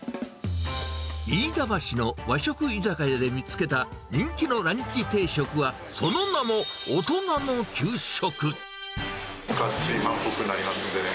飯田橋の和食居酒屋で見つけた人気のランチ定食は、その名も、がっつり満腹になるんでね。